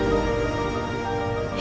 terima kasih bu